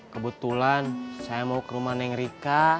kebetulan saya mau ke rumah neng rika